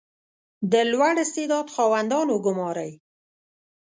• د لوړ استعداد خاوندان وګمارئ.